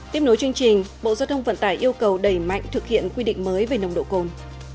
tiếp nối chương trình bộ giao thông vận tải yêu cầu đẩy mạnh thực hiện quy định mới về nồng độ cồn